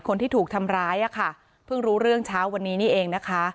คนที่ถูกทำร้ายอ่ะค่ะเพิ่งรู้เรื่องเช้าวันนี้นี่เองนะคะ